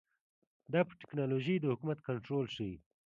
دا پر ټکنالوژۍ د حکومت کنټرول ښيي.